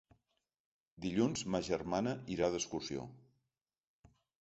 Dilluns ma germana irà d'excursió.